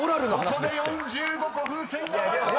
［ここで４５個風船が割れます］